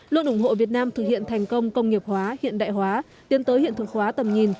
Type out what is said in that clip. luôn ủng hộ việt nam thực hiện thành công công nghiệp hóa hiện đại hóa tiến tới hiện thực hóa tầm nhìn